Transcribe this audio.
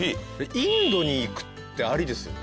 インドに行くってありですよね